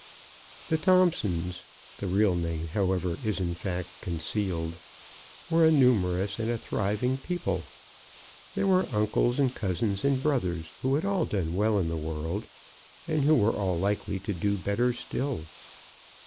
The Thomp sons — the real name, however, is in fact con cealed — were a numerous and a thriving people. There were uncles and cousins and brothers who had all done well in the world, and who 4 CHRISTMAS AT THOMPSON HALL. were all likely to do better still.